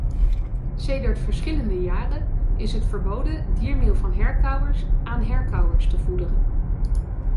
Sedert verschillende jaren is het verboden diermeel van herkauwers aan herkauwers te voederen.